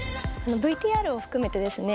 ＶＴＲを含めてですね